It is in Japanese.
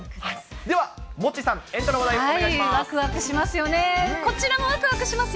ではモッチーさん、エンタの話題、お願いします。